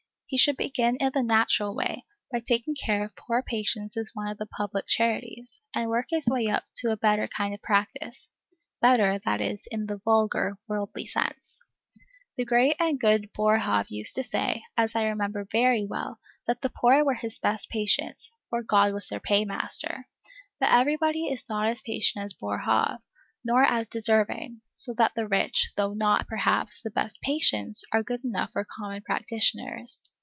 He should begin in the natural way, by taking care of poor patients in one of the public charities, and work his way up to a better kind of practice, better, that is, in the vulgar, worldly sense. The great and good Boerhaave used to say, as I remember very well, that the poor were his best patients; for God was their paymaster. But everybody is not as patient as Boerhaave, nor as deserving; so that the rich, though not, perhaps, the best patients, are good enough for common practitioners.